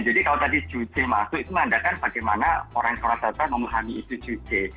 jadi kalau tadi juche masuk itu menandakan bagaimana orang orang selatan memahami itu juche